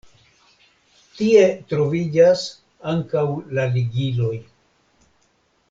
Tie troviĝas ankaŭ la ligiloj.